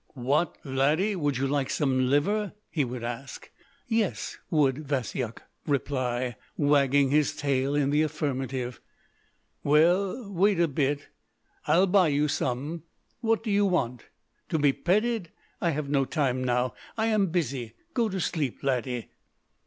"What, laddie, would you like some liver?" he would ask. "Yes," would Vasyuk reply, wagging his tail in the affirmative. "Well, wait a bit, I'll buy you some. What do you want? To be petted? I have no time now, I am busy; go to sleep, laddie!"